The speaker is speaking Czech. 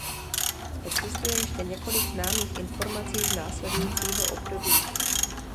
Existuje ještě několik známých informací z následujícího období.